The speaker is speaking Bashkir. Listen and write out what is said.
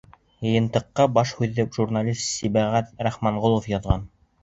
Йыйынтыҡҡа баш һүҙҙе журналист Сибәғәт Рахманғолов яҙған.